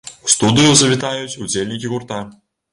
У студыю завітаюць удзельнікі гурта!